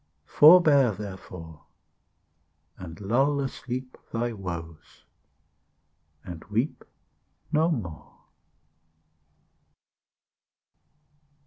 Forbear, therefore, And lull asleep Thy woes, and weep No more.